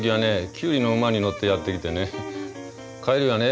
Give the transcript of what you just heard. キュウリの馬に乗ってやって来てね帰りはね